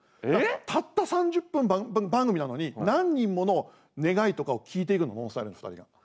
たった３０分番組なのに何人もの願いとかを聞いていくのＮＯＮＳＴＹＬＥの２人が。